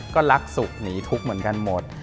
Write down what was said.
ก็รักสุขหนีทุกข์เหมือนกันหมด